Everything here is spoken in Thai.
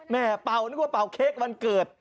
เป่านึกว่าเป่าเค้กวันเกิด